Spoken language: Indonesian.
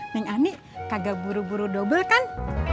neng ani nggak buru buru double kan